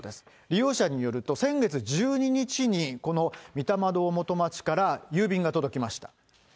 利用者によると、先月１２日に、この御霊堂元町から郵便が届きました。